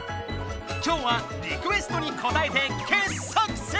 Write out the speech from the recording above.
今日はリクエストにこたえて傑作選！